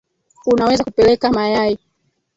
Unaweza kupeleka mayai